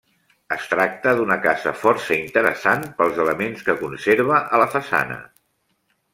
Es tracta d'una casa força interessant pels elements que conserva a la façana.